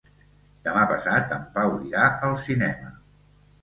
Demà passat en Pau irà al cinema.